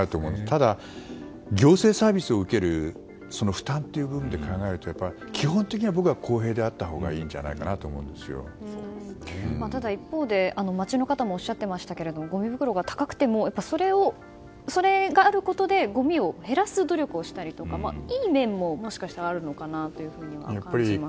ただ、行政サービスを受ける負担で考えると基本的に僕は公平であったほうがいいんじゃないかなとただ、一方で街の方もおっしゃっていましたがごみ袋が高くてもそれがあることでごみを減らす努力をしたりとかいい面も、もしかしたらあるのかなと感じます。